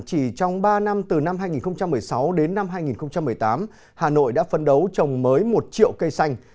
chỉ trong ba năm từ năm hai nghìn một mươi sáu đến năm hai nghìn một mươi tám hà nội đã phấn đấu trồng mới một triệu cây xanh